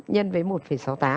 nhân với một sáu mươi tám